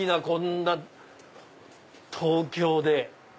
こんな東京で。